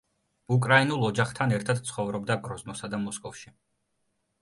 უკრაინულ ოჯახთან ერთად ცხოვრობდა გროზნოსა და მოსკოვში.